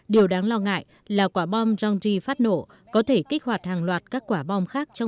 điều đáng lo ngại là quả bom phát nổ có thể kích hoạt hàng loạt các quả bom khác